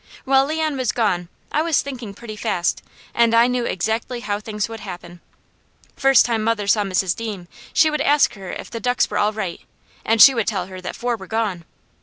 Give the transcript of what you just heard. While Leon was gone I was thinking pretty fast and I knew exactly how things would happen. First time mother saw Mrs. Deam she would ask her if the ducks were all right, and she would tell that four were gone.